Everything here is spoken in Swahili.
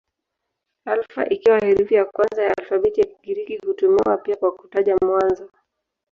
Alfa ikiwa herufi ya kwanza ya alfabeti ya Kigiriki hutumiwa pia kwa kutaja mwanzo.